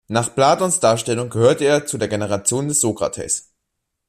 Nach Platons Darstellung gehörte er zur Generation des Sokrates.